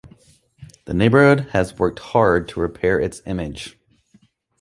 The neighborhood has worked hard to repair its image.